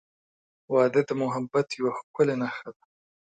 • واده د محبت یوه ښکلی نښه ده.